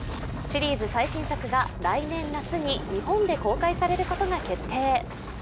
シリーズ最新作が来年夏に日本で公開されることが決定。